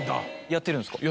やってるんですか？